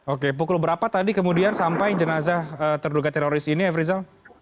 oke pukul berapa tadi kemudian sampai jenazah terduga teroris ini f rizal